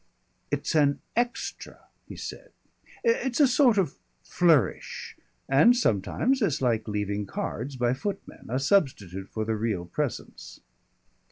"It's an extra," he said. "It's a sort of flourish.... And sometimes it's like leaving cards by footmen a substitute for the real presence."